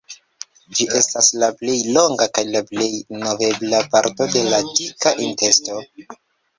Ĝi estas la plej longa kaj la plej movebla parto de la dika intesto.